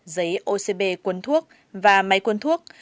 giấy ocb cuốn thuốc và máy cuốn thuốc